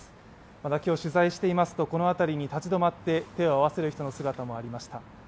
また、今日取材していますとこの辺りに立ち止まって手を合わせる人の姿もありました。